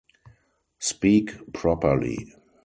Speak properly.